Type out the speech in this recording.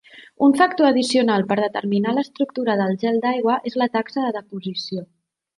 Un factor addicional per determinar l'estructura del gel d'aigua és la taxa de deposició.